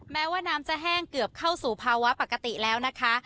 แม้ว่าน้ำจะแห้งเกือบเข้าสู่ภาวะปกติแล้วนะคะ